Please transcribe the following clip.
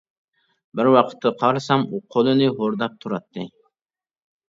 بىر ۋاقىتتا قارىسام، ئۇ قولىنى ھورداپ تۇراتتى.